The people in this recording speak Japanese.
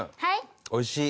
おいしい。